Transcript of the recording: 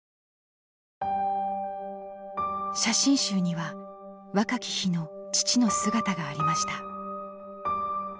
写真集には若き日の父の姿がありました。